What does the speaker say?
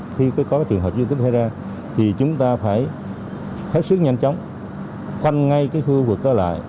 khi có trường hợp như thế ra thì chúng ta phải hết sức nhanh chóng khoanh ngay khu vực đó lại